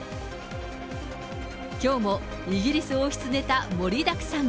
きょうもイギリス王室ネタ盛りだくさん。